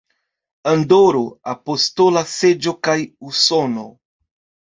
Andoro, Apostola Seĝo kaj Usono.